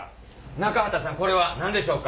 中畑さんこれは何でしょうか？